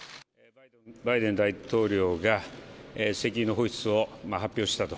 バイデン大統領が石油の放出を発表したと。